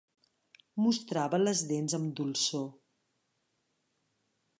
Mostrava les dents amb dolçor.